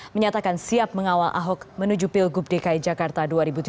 menyatakan siap mengawal ahok menuju pilgub dki jakarta dua ribu tujuh belas